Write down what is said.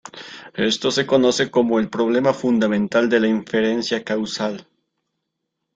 Esto se conoce como "el problema fundamental de la inferencia causal".